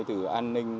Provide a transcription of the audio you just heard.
từ an ninh